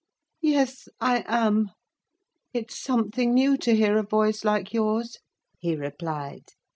"Yes, I am. It's something new to hear a voice like yours!" he replied.